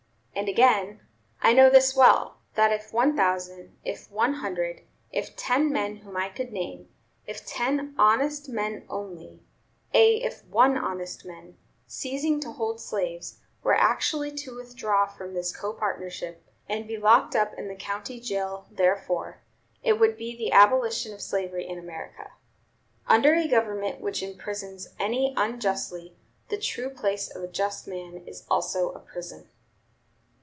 And again: "I know this well, that if one thousand, if one hundred, if ten men whom I could name, if ten honest men only, ay, if one honest man, ceasing to hold slaves, were actually to withdraw from this copartnership, and be locked up in the county jail therefor, it would be the abolition of slavery in America. Under a government which imprisons any unjustly, the true place for a just man is also a prison."